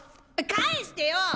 返してよ！